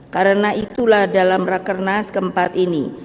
karena itulah dalam rakernas keempat ini